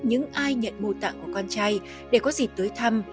những ai nhận mô tạng của con trai để có dịp tới thăm